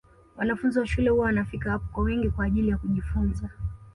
Wanafunzi wa shule huwa wanafika hapo kwa wingi kwa ajili ya kujifunza